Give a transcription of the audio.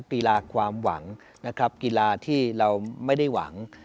กีฬาความหวังนะครับกีฬาที่เราไม่ได้หวัง